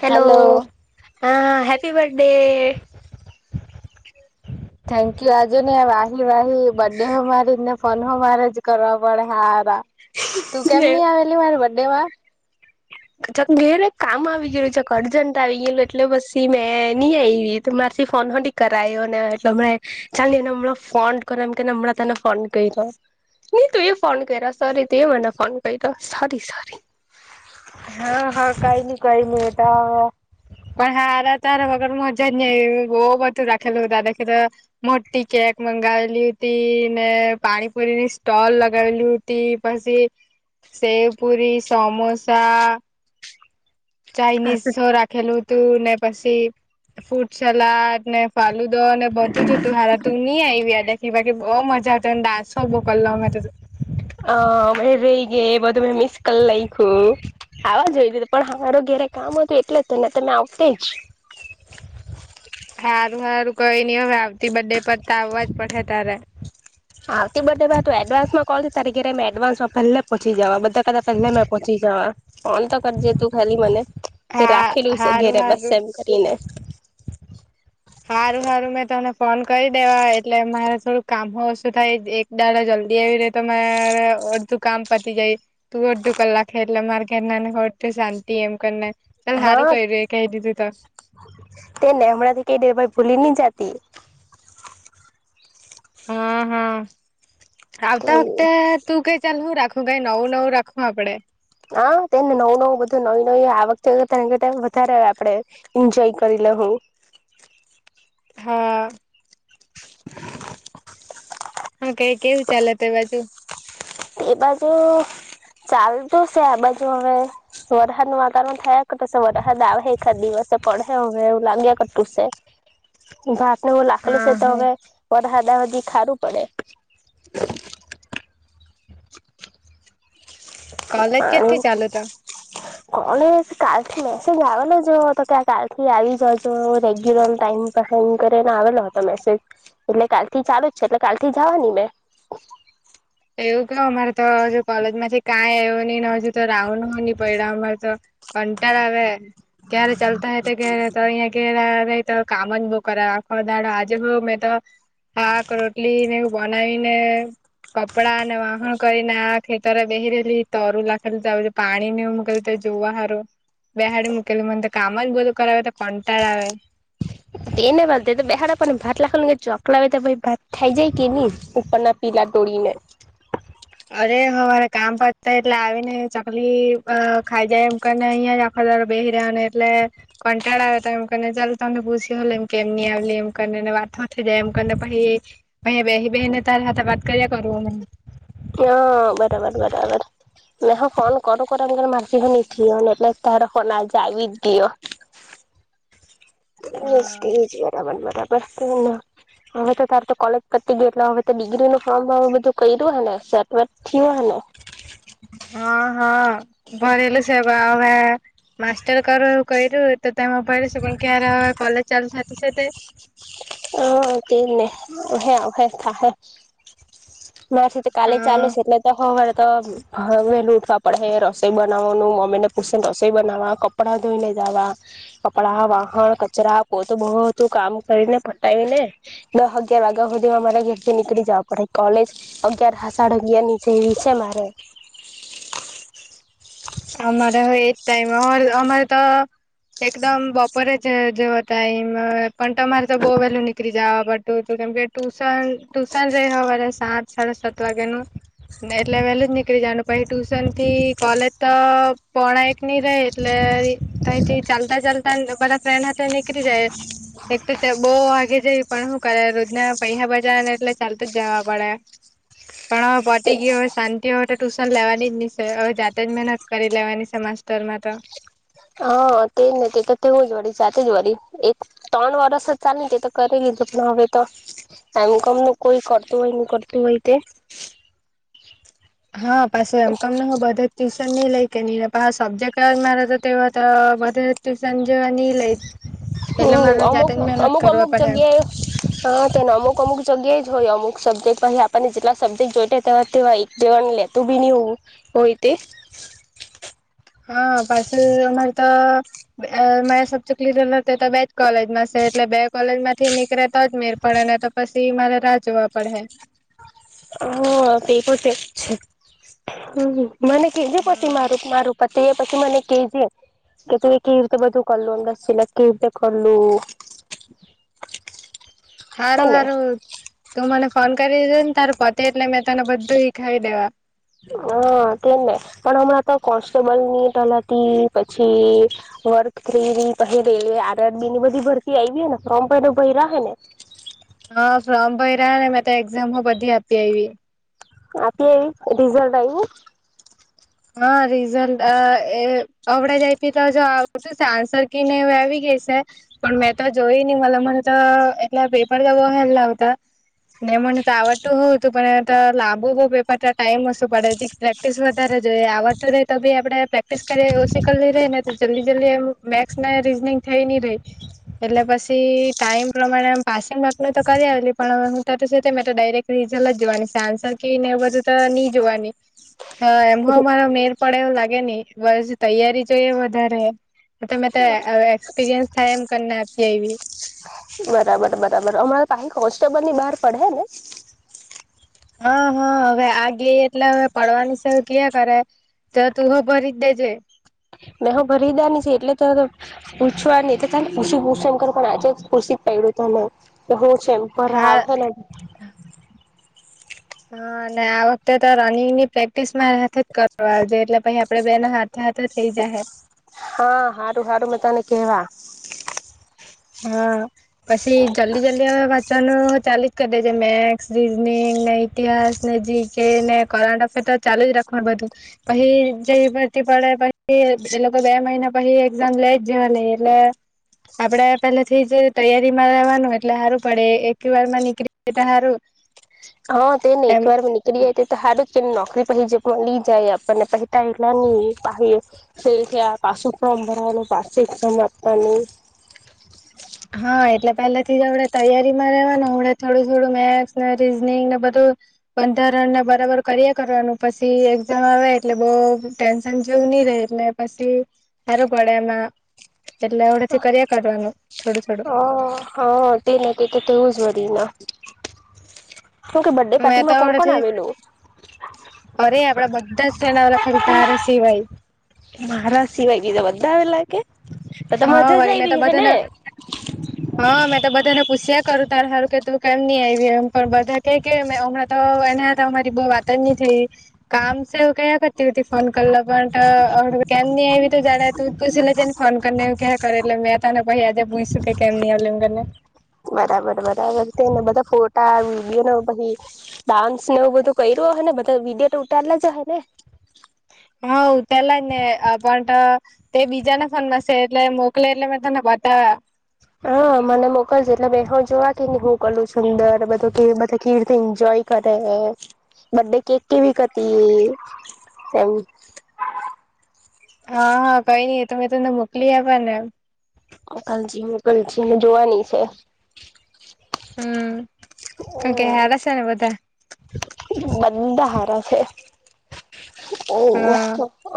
Hello hello. હા, happy birthday. Thank you, આજુ ને વાહી વાહી બર્થડે હો. મારીને ફોન હો મારે જ કરવા પડે, હારા. તું કેમની આવેલી મારી બર્થડે માં? ચક, ઘેર એક કામ આવી ગયેલું. ચક, અર્જન્ટ આવી ગયેલું એટલે પછી મેં નહીં આવી મારે. પછી ફોન કરાવ્યો ને, એટલે હમણાં ચાલી. એ, હમણાં ફોન કરો એમ કેને, હમણાં તને ફોન કર્યો. નહીં, તું એ ફોન કર્યો. સોરી, તું એ મને ફોન કર્યો. Sorry, sorry. હા, હા, કંઈ નહીં કઈની એ તો. પણ હારા, તાર વગર મજા જ નઈ. બહુ બધું રાાખેલું દાદાખી, તો મોટી કેક. કંઈ મગાવેલી હતી ને? પાણીપુરીની સ્ટોલ લગાવેલી હતી પછી. સેવ પુરી, સમોસા. ચાઇનીઝ રાખેલું તું ને, પછી ફૂડ સલાડ. ને ફાલુદો ને બધું જ હતું હારા. તું નહી આવી દેખ, બાકી. બહુ મજા આવેલી ને. ડાન્સ બહુ કરેલો અમે તો. હ મેં રેહ ગઈ, એ બધું મેં મિસ કરી નાખ્યું. આવા જોતો હતો, પણ હારુ. વગેરે કામ હતું એટલે તો ને, તમે આવતે જ. હારું હારું, કંઈ ની હવે. બથડે પર તો આવવા જ પડે હે ત્યારે. તરીકે મે એડવાન્સમાં પહેલે પહોંચી જવા, બધા કરતાં પહેલે મેં પહોચી જવા. ફોન તો કરીજે તું, ખાલી મને. એ હા રાખેલું છે હારું ઘેરે, બસ હારું એમ કરીને. હારું હારું મેં તને ફોન કરી દેવા, એટલે મારે થોડુંક કામ હો ઓછું થાય. એક દાડા જલ્દી આવી રહે તો મારે. અડધું કામ પતી જાય, તું અડધું કલાક એટલા મારે ઘણું ઓછુ શાંતિ એમ કરી ના. હા, તેને હમણાંથી કેદે ભાઈ ભૂલી ન જતી. હા હા, આવતા વખતે તું કંઈ. ચાલ, હું રાખું. કંઈ નવું નવું રાખવા આપડે. હા, તેને નવું નવું બધું, નવી નવી આ વખતે વધારે આપડે એન્જોય કરી. હ હ. હા. [unintelligible] હા, કંઈ કેવું ચાલે તે બાજુ. એ બાજુ. ચાલતું છે આ બાજુ. હવે વરહાદ નું વાતાવરણ થયા કે તો વરહાદ આવે એકાદ દિવસ. પડહે હવે, લાગ્યા કરતું છે. હું લાખલું છે, હા તો હા હવે વરહાદ આવે તો હારું પડે. [unintelligible] કોલેજ કેથી ચાલુ તો કોણ કાલથીસે ગાવ ના જો તો કે કાલથી આવી જ જો રેગ્યુલર ટાઈમ ફોન કરીને આવેલો હતો મેસેજ એટલે કાલથી ચાલુ જ છે એટલે કાલથી જવાની મેં [unintelligible] એવું ક અમારે તો હજુ કોલેજ માંથી કઈ આવ્યો નહીને હજુ તો રાઉ ન હો નહી પડ્યા અમાર તો કંટળ આવે ક્યારે ચાલતા હ તો ઘેરે તો અહિયાં ઘેરે આવે તો કામ જ બો કરખાડ આજે હ મેમે તો હા રોટલી ને બનાવી ને વાહણ કરીને આ ખેતરા બેહે રહેલી તરું લખેલું પાણી નને કર્યું જોવા હારો બેહાડી મૂકેલી મને તો કામ જ બધું કરાવે તો કંટાળ આવે તેને વાંધ તો બહારને ભત લખે કે ચોકલા આવે તો ભ ભાત થાઈ જાય કે નની ઉપરના પીલા તોોડીનાર [unintelligible] અરે હરે કામ પતા એટલે આવી ને ચકલી ખાઈ જાય એમ કરીને અહિયાં જ આપ બેહી રહ્યા ને એટલે કંટાળા આવ્યા હતા એમને ચાલ તમને પૂછ્યું એમ કેમ ની આવ એમ કરી વાત નથી જાય એમ પછ બે બેને ત વાત કર્યા કરું અ હ બરાબર બરાબર મેં હ ફોન કરો કર મા ચ હો ને એટલે ધારખના આજ બી દિઓ જરાબન પછને હવે તો તારે તો કોલેજ પતી ગય એટલે હવે તો ડિગ્રી નું ફોર્મ બધું કર્યું હ ને ત થયો હ ન હ હા ભણલું સ હ માસ્ટર કર કું ત મોબાઈ શ પણ ક્યારે હો કોલેજ ચાલુ થતી તે હ તેને હે હ થા હે નાસી તો કાલે હા ચાલુ છે એટલે તો હવાર તો હવેલું ઉઠવા પડે રસોઈ બનાવવાનું મમ્મી ને પૂછ રસોઈ બનાવા કપડાં ધોઈ લ વા કપડા વાહણ કચરા પોત બહુું કામ કરીને આવી ને દસ અગિયાર વાગ્યા સુધી અમારા ઘર થી નીકળી જવા પડે કોલેજ અગિયાર હસાળ ગયા નીચે છે મારે અમારે હ એજ ટાઈમ અ અમારે તો એકદમ બપોરે જ જે હતા એમ પણ તમારે તો બહુ વહેલું નીકળી જવા પું કેમકે ટુશન ટુશન રવાવા સાત સાડા સાત વાગે નું એટલે વહેલું જ નીકળી જનું પછ ટ્યુશન થી કોલેજ તો પોણા એક નહ રે એટલે કથી ચાલતા ચાલતા બધા ફ્રેન્ડ હાથે નીકળી જાય [unintelligible] એક તો બહુ વાગે જઈ પણ શું કરે રોજના પૈસા બજાવ ને એટલે ચાલતું જ જવા પડે પણ પતી ગય હોય શાંતિ હોય તો ટ્યુશન લેવાની જ નિય જા જ મહેનત કરી લેવાની સમાસ્ટરમાં તો હા તેજ તે તો તેવું જ વળી જાતે જ વળી એક ત્રણ વરસ જ ચાલે ને તે તો કરેલી જ હવે તો એમ કમ ન કોઈ કરતું હોય ન કરતું હોય તે હા પાછો એમ કમ હ બધ જ ટુ નહી લઈ કે નહી સબ્જેક્ટ મારે તો તે તો બધે ટ્યુશન જેવા નહી લે હમ અમુક અમુક અમુક પડહે જગ્યાએ હાને અમુક અમુક જગ્યાએ ય અમુક સબ્જેક્ટ પછ આપણને જેટલા સબ્જેક્ટ જોઈ એક દવા લેું બી નહી હોવું હોય [unintelligible] [unintelligible] હા પાછ અમારે તો મા સબચ ક્લી બે કોલેજમાં છે એટલે બે કોલેજમાં થી નીકળે તો અજમેર પડે ને તો પછી મારે રાહ જોવા પડેે હ તે પણ જ છે હ મને કજું પતી મારું મારું પત પછી મને કજ કે તું કવી રીતે બધું કરલું અંદસ ચિલાક કવી રીતે કરલું હે હારું ને હારું તું મને ફોન કરી દીધો ને તાર પોતે એટલે મેં તને બધું ખાવી દેવા હા તેમ ને પણ હમણાં તો કોન્સ્ટેબલની તલાતી પછી વર્ક થ્રી પહે આરત બીની બધી ભરતી આવી ને ફોર્મ પ ભય ને હા ફોર્મ ભ રહ્યા ને મે તો એક્ઝામ બધી આપી આવી આ પી રિઝલ્ટ આવીઈ હા રિઝલ્ટ આ એ અડા જાય પી તો જો આવતું આન્સર કને આવી ગય છે પણ મેં તો જોઈ નહી મ મને એટલે બેે પણ જવા હેલ ના આવતા નને મને તો આવડતું હોવું હતું પણ લાભો બહ પેપ ટાઈઇમ ઓશું પડે છે પ્રેક્ટિસ વધારે જો આવડતું રહે તો બી આપડણે પ્રેક્ટિસ કરી ઓછી કરીઈ ર ને તો જલ્દી જલ્દી એમ મેક્સ રીઝનિંગ થઈ નહી રહી એટલે પછી ટાઈમ પ્રમાણે પાસિંગ બાપ તો કરી આવેલી પણ હું ત ડાયક રઝલ જ જોવાની આન્સર કે એ બધું તો નહી જોવાની એમ હ મારો મેર પડે એવું લાગે નહી બસ તૈયારી જોઈએ વધારે તમે એક્સપિરિયન્સ થાય એમ કને આપી એવી બરાબર બરાબર અમારા પાછ કોન્સ્ટેબલ ની બહાર પડે ને હા હા હવે આ ગઈ એટલે હવે પડવાની સ ક કરે તો તું હો ભરી દેજે મેહ ભરીદા ની છે એટલે તો પૂછવા તો થને કુરશીભુશંકર પણ આજે કુશ પ ું તને કે હું છે એમ પર હા આવેને હા અને આ વખતે તો રનિંગ ની પ્રેક્ટિસ મા જ કરવા આવજે એટલે પછ આપડે બેનો સાથે તો થઇ જ હ હા હારું હારું મેં તને કેવા હા પછી જલ્દી જલ્દી આવેત ચાલી જ કરી દે છે મેથસ રીઝનિંગ ને ઇતિહાસ ને જી કે ને કરંટ અફેર ચાલુ જ રાખવા બધું પછ જે પડે પછી એ લોકો બે મહિના પછ લે જ જવા નઈ એટલે આપડે પેલા થી જ તૈયારીમાં લવાનું એટલે સારું પડે એક વાર માં નીકળી જતા સારું હા તે ને એક વાર નીળ જઈ તે તો સાારું કે નોકરી પ જે પણ લઈ જાય આપણને પહેતા એલા ન પાછું ફોમ ભરાયલ પાસેિક સમાપતાની [unintelligible] હા એટલે પહેલાથી હણે તૈયારી માં રહેવા ને હમણે થોડું થોડું મેથસ ને રીઝનિંગ ને બધું પંદર રન બરાબર કરીએ કરવાનું પછી એક્ઝામ આવે એટલે બઉ ટેન્શન જોવું નહી એટલે પછી સારું પડે એમાં એટલે ઓડેથી કર્યા કરવાનું છોડો છોડો હા હા તે ના તે તો તેવું જ ભરીના બર્થડે પાર્ટી મેં માં તો કોણ કોણ હવડેથી આવેલું અરે આપડા બધા જ સનાવાલા ખાલી તારે સિવાય મારા સિવાય ગીધ બધા આવે લ કે તો તો હા મજા જ વરી મેં તો આવી હે ને બધાને હા મેં તો બધાને પૂછ્યા કરું તાર સારું કે તું કેમ નહી આવી એમ પણ બધા ક કે હમણાં તો એને અમારી બહ વાત થઈ કામ સું કયા કરતી હોતી ફોન કર પણ કેમ આવીવી તો જા તું પછ લેજને ફોન કર કે કરે લ મે તને પછ આજે પૂછ સુકે કેમ ન લ કેને બરાબર બરાબર તેને બધા ફોટા વિડીયોને પછી ડાન્સ ને એવું બધું કર્યું ને બધા વિડીયો ઉતાલા જ હ ને [inaudible] ઉતેલા જ ને પણ તે બીજાને ફોનમાં સે એટલે મોકલે એટલે મેં તને બતાવા હા મને મોકલજ એટલે મે હો જોવા કે એને હું કર્યુ સુંદરને બધું ખીરથી એજોય કતે બર્થડે કેક કેવી હતી તેમ હા હા કઈ નઈ એ તો મે તમને મોકલી આપ્યા ને એમ કલજી કલજી જોવાની છે હમ કણ કે હારા હશે ને બધા બધા હારા છે ઓ હા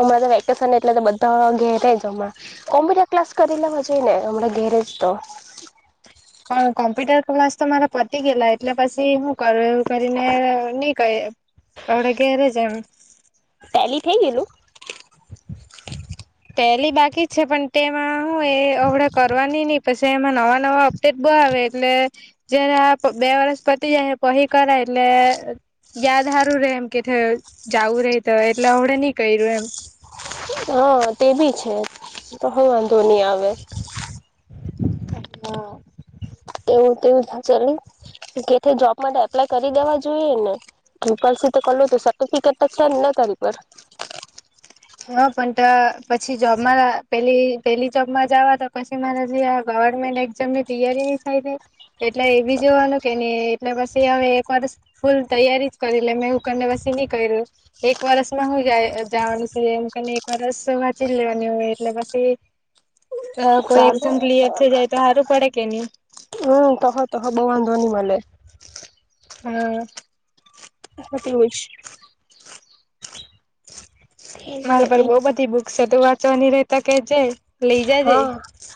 અમારે વેકેશન એટલે બધા ઘેરે જ હમણાં, કોમ્પ્યુટર ક્લાસ કરી લેવા જોઈ ને હમણાં ઘેરે જ તો તો [unintelligible] ક્લાસ તો મારા પતી ગયેલા એટલે પછી હું કરું એવું કરીને નહી કર્યા અવડે ઘેરજ એમ ટેલી થઈ ગયલું ટેલી બાકી છે પણ તેમાં હું એ અવડે કરવાની નહીં પછી એમાં નવા નવા અપડેટ બવ આવે એટલે જયારે આ બે વરસ પતી જાય પહી કરાય એટલે યાદ સારું રે એમ કે જવું રે તો એટલે આવડે નહી કર્યું એમ હા તે બી છે તો હે વાંધો નહી આવે હમ એવું તેવું ચલ ની કેથે જોબ માટે એપ્લાય કરી દેવા જોઈએ ને ત્રિપલ સી તો કર્યું તું સર્ટિફિકેટ છે જ ને તારી પાસે હ પણ ત પછી જોબમાં પેલી પેહલી જોબમાં જવા દો પછી મારે જે આ ગવર્મેન્ટ એક્ઝામ ની તૈયારી ની થાય એટલે એવી જોવાનું કે નહી એટલે પછી હવે એક વરસ ફૂલ તૈયારી જ કરી મેં એવું કરી ને પછી નઈ કર્યું એક વરસમાં હું જાય જવાનું છે એમ કરીને એક વરસ વાંચી લેવાની હોય એટલે પછી અ કોઈ ચાલે એક્ઝામ ક્લયર થઈ જાય તો સારું પડે કે નહી હમ તોહો તોહો બોવ વાંધો નઈ મલે હ એટલુજ મારા પર બઉ બધી બુક છે તું વાંચવાની રે તો કે જે લઈ જજે હા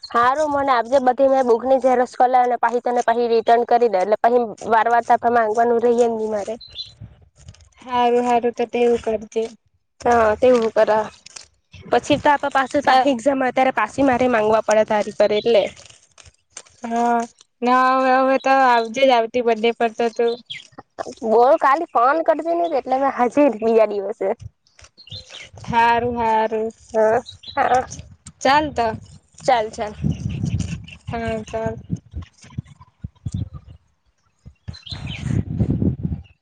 સારું મને આજે બધા તું એ બુકની ઝેરોક્ષ કરાયને પછી તને પછી રિટર્ન કરી દે એટલે પછી વારંવાર તાર પાસે માંગવાનું રહીએ હે મારે [inaudible] સારું સારું તો તેવું કરજે હા તેવું કરાય પછી તો આપ પાસે પાછી એક્ઝામ આવે ત્યારે પાછી મારે માંગવા પડે તારી પર એટલે હા ના હવે હવે તો આવજેજ આવતીબર્થ ડે પર તો તું બોલ કાલી ફોન કરજ ને એટલે મેં હજી બીજા દિવસે હારું હારું હા હા ચાલ તો ચાલ ચાલ હા ચાલ [inaudible]